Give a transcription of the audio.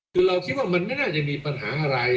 คือเราคิดว่ามันไม่น่าจะมีปัญหาอะไร